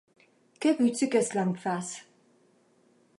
Que veux-tu que cela me fasse ?